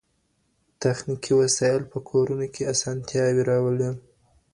تخنیکي وسایل په کورونو کي اسانتیاوي راولي.